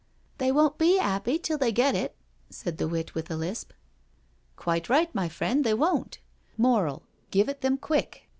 They won't be 'appy till they get it," said the wit with a lisp. " Quite right, my friend, they won't. Moral— give it them quick.